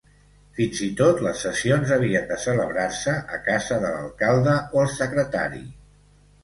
Fins i tot les sessions havien de celebrar-se a casa de l'alcalde o el secretari.